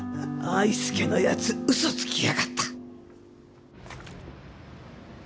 愛介の奴嘘つきやがった！